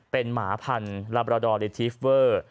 เป็นหมาพันลาบราดอลเรทีฟเวอร์